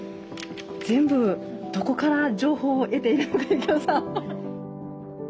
全部どこから情報を得ているのか幸士さん。